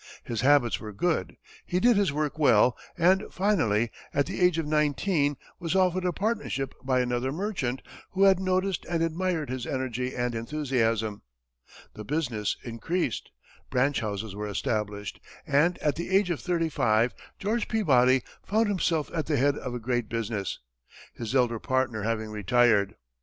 His habits were good, he did his work well, and finally, at the age of nineteen, was offered a partnership by another merchant, who had noticed and admired his energy and enthusiasm. The business increased, branch houses were established, and at the age of thirty five, George Peabody found himself at the head of a great business, his elder partner having retired.